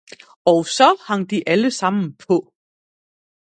og saa hang de Allesammen paa.